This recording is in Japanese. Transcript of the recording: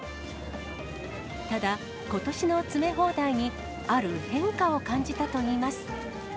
ただ、ことしの詰め放題に、ある変化を感じたといいます。